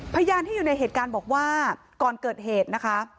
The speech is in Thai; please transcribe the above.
พยานที่อยู่ในเหตุการณ์บอกว่าก่อนเกิดเหตุนะคะ